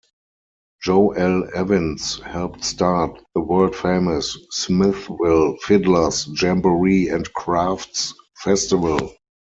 Joe L. Evins helped start the world famous Smithville Fiddler's Jamboree and Crafts Festival.